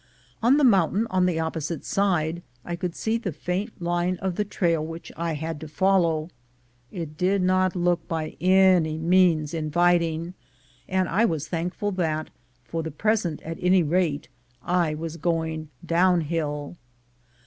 On the mountain on the op posite side I could see the faint line of the trail which I had to follow ; it did not look by any means inviting ; and I was thankful that, for the present at any rate, I was going downhill.